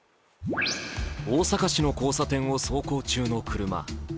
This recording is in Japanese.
大阪市の交差点を走行中の車。